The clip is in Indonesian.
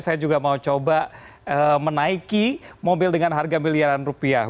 saya juga mau coba menaiki mobil dengan harga miliaran rupiah